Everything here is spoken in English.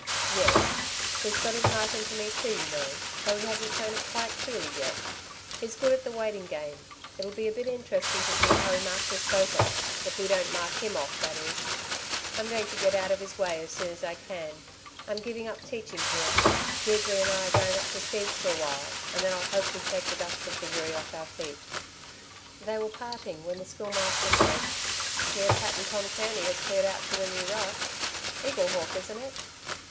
"Yes. He's got his knife into me, too, you know, though he hasn't shown it quite clearly yet. He's good at the waiting game. It'll be a bit interesting to see how he marks us both off if we don't mark him off, that is. I'm going to get out of his way as soon as I can. I'm giving up the teaching here. Deirdre and I are going up to Steve's for a while, and then I hope we'll shake the dust of the Wirree off our feet." They were parting when the Schoolmaster said: "Hear Pat and Tom Kearney have cleared out to the new rush? Eaglehawk, isn't it?